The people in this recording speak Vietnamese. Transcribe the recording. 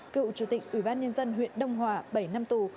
cựu chủ tịch ủy ban nhân dân huyện đông hòa bảy năm tù